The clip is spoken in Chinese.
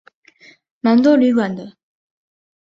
蛮多旅馆的